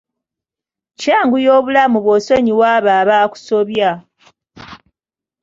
Kyanguya obulamu bw'osonyiwa abo abaakusobya.